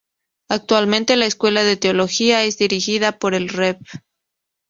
Actualmente la Escuela de Teología es dirigida por el Rev.